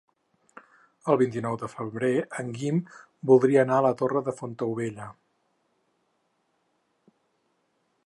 El vint-i-nou de febrer en Guim voldria anar a la Torre de Fontaubella.